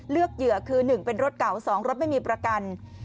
เหยื่อคือ๑เป็นรถเก่า๒รถไม่มีประกัน